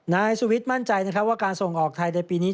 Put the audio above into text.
นายสุวิทย์มั่นใจนะครับว่าการส่งออกไทยในปีนี้